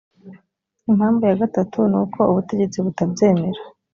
impamvu ya gatatu ni uko ubutegetsi butabyemera